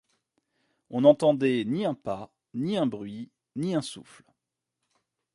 On n’entendait ni un pas, ni un bruit, ni un souffle.